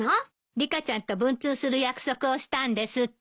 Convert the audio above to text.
リカちゃんと文通する約束をしたんですって。